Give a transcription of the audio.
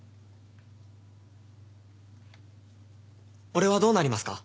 俺はどうなりますか？